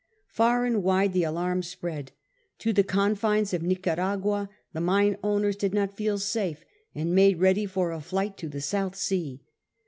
Far and wide the alarm spread. To the confines of Nicaragua the mine owners did not feel safe, and made ready for a flight to the South Sea.